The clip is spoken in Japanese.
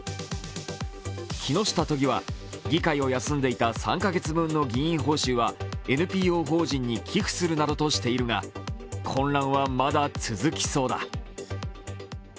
木下都議は、議会を休んでいた３カ月分の議員報酬はＮＰＯ法人に寄付するなどとしているが、混乱は、まだ続きそうだ。